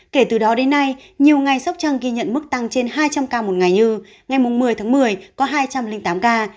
kể từ đó đến nay nhiều ngày sóc trăng ghi nhận mức tăng trên hai trăm linh ca một ngày như ngày một mươi tháng một mươi có hai trăm linh tám ca